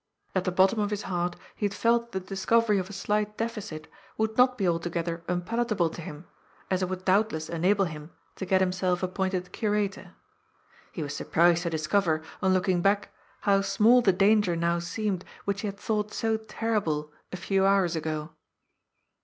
At the bottom of his heart he had felt that the discovery of a slight deficit would not be altogether unpalatable to him, as it would doubtless enable him to get himself appointed curator. He was sur prised to discover, on looking back, how small the danger now seemed which he had thought so terrible a few hours ago.